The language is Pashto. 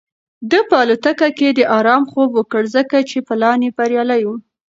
ده په الوتکه کې د ارام خوب وکړ ځکه چې پلان یې بریالی و.